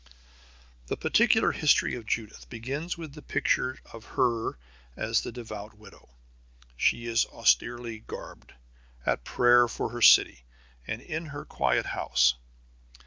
The particular history of Judith begins with the picture of her as the devout widow. She is austerely garbed, at prayer for her city, in her own quiet house.